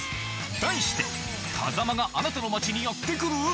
題して、風間があなたの街にやって来る？